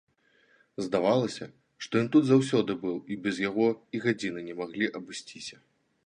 Здавалася, што ён тут заўсёды быў і без яго і гадзіны не маглі абысціся.